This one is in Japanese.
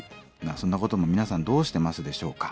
そんなことも皆さんどうしてますでしょうか？